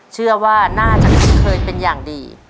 เชื่อว่าน่าจะคุ้นเคยเป็นอย่างดี